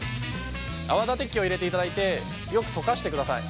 泡立て器を入れていただいてよく溶かしてください。